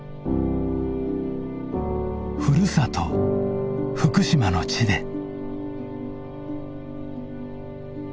ふるさと福島の地で。